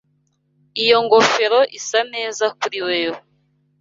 Iyo ngofero isa neza kuri wewe.